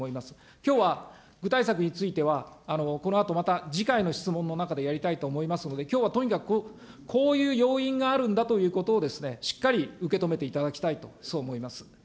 きょうは具体策については、このあとまた次回の質問の中でやりたいと思いますので、きょうはとにかくこういう要因があるんだということを、しっかり受け止めていただきたいと、そう思います。